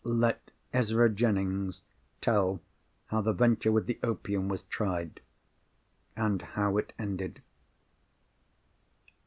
Let Ezra Jennings tell how the venture with the opium was tried, and how it ended.